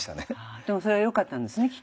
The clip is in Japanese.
でもそれがよかったんですねきっとね。